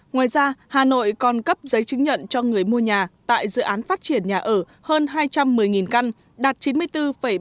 ngoài ra hà nội còn cấp giấy chứng nhận cho người mua nhà tại dự án phát triển nhà ở hơn hai trăm một mươi căn đạt chín mươi bốn ba mươi